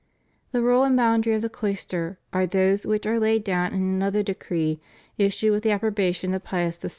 The rule and boundary of the cloister are those which are laid down in another decree issued with the approbation of Pius VI.